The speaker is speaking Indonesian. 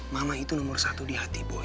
mama itu nomor satu di hati bawah